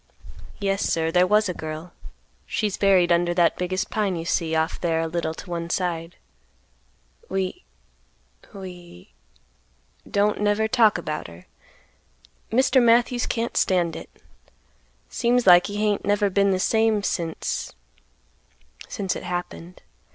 "Yes, sir, there was a girl; she's buried under that biggest pine you see off there a little to one side. We—we—don't never talk about her. Mr. Matthews can't stand it. Seems like he ain't never been the same since—since—it happened.